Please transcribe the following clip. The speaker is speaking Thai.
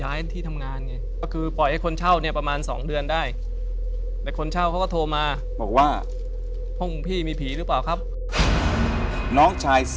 อันนี้เมื่อไหร่ค่ะนานต้อนึง